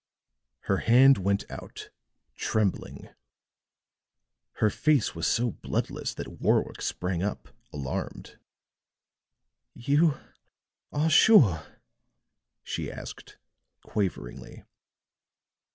Her hand went out, trembling; her face was so bloodless that Warwick sprang up, alarmed. "You are sure?" she asked, quaveringly.